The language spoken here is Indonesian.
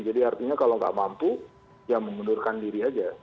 artinya kalau nggak mampu ya mengundurkan diri aja